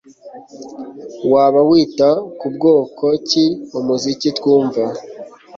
Waba wita ku bwoko ki umuziki twumva